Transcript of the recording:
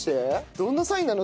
どんなサインなの？